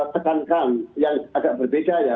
tekankan yang agak berbeda ya